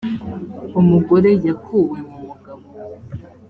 umugore yakuwe mu mugabo